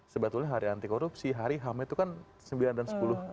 sebetulnya hari anti korupsi hari ham itu kan sembilan dan sepuluh